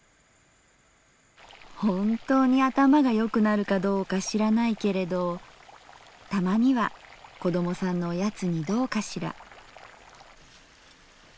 「ほんとに頭がよくなるかどうか知らないけれどたまには子供さんのおやつにどうかしら？」。